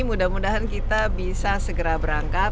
mudah mudahan kita bisa segera berangkat